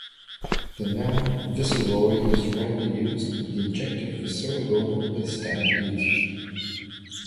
The noun 'viceroy' is rarely used but the adjective 'viceregal' is standard usage.